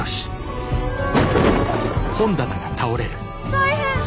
大変！